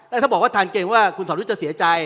แล้วถ้าบอกว่าทันเกรงว่าคุณสรยุทธ์จะเสียใจ